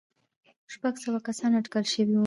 شپږ سوه کسان اټکل شوي وو.